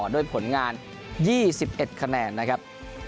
ด้วยผลงาน๒๑คะแนนนะครับ